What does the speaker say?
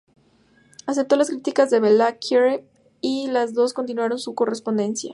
Aceptó las críticas de Balákirev y los dos continuaron su correspondencia.